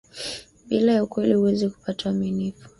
Bila ya ukweli huwezi kupata uaminifu